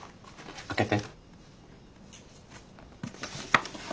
開けて。